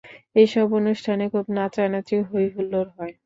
এসব অনুষ্ঠানে খুব নাচানাচি, হই হুল্লোড় হয়।